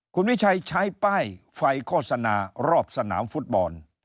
คุณวิชัยใช้ป้ายไฟโฆษณารอบสนามฟุตบอล